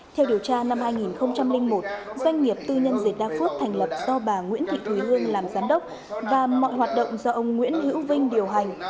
theo điều tra năm hai nghìn một doanh nghiệp tư nhân dịch đa phước thành lập do bà nguyễn thị thùy hương làm giám đốc và mọi hoạt động do ông nguyễn hữu vinh điều hành